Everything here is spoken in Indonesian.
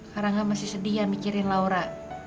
karangga masih sedih ya mikirin laura